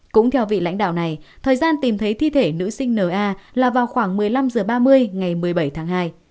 cũng theo vị lãnh đạo này thời gian tìm thấy thi thể nữ sinh na là vào khoảng một mươi năm h ba mươi ngày một mươi bảy tháng hai